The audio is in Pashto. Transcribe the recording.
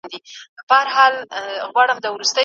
نجونې نباید له خپل کور څخه بهر قدم وباسي.